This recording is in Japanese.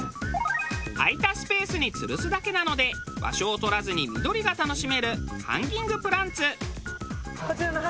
空いたスペースにつるすだけなので場所を取らずに緑が楽しめるハンギングプランツ。